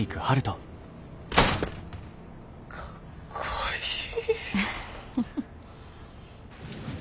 かっこいい。